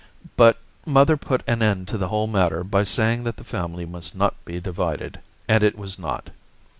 But mother put an end to the whole matter by saying that the family must not be divided, and it was not.